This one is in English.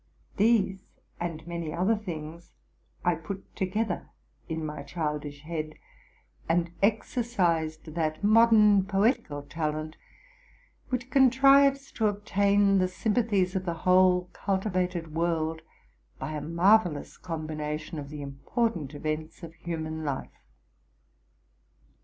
'These and many other things I put together in my childish head, and exercised that mod ern poetical talent which contrives to obtain the sympathies of the whole cultivated world by a marvellous combination of the important events of human life.